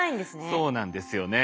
そうなんですよね。